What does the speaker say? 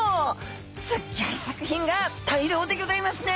すっギョい作品が大漁でギョざいますね！